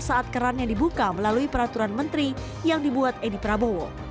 saat keran yang dibuka melalui peraturan menteri yang dibuat edi prabowo